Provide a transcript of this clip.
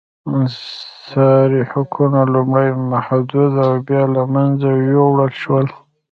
انحصاري حقونه لومړی محدود او بیا له منځه یووړل شول.